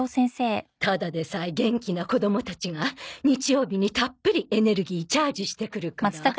ただでさえ元気な子供たちが日曜日にたっぷりエネルギーチャージしてくるから。